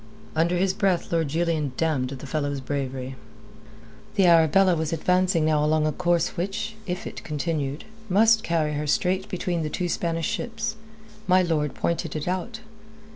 Under his breath Lord Julian damned the fellow's bravery. The Arabella was advancing now along a course which, if continued, must carry her straight between the two Spanish ships. My lord pointed it out.